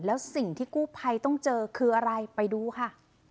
แล้วสิ่งที่กู้ภัยต้องเจอคืออะไรไปดูค่ะ